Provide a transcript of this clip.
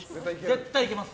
絶対いけます！